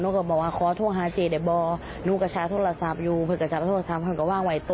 หนูถึงหากถึงหาสาบผมช้าและเด็กที่หายสนใกล้